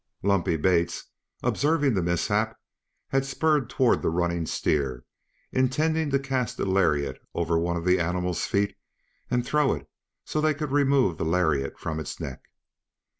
Lumpy Bates, observing the mishap, had spurred toward the running steer, intending to cast a lariat over one of the animal's feet and throw it so they could remove the lariat from its neck.